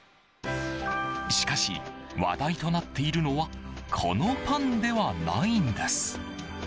しかし、話題となっているのはこのパンではないんです。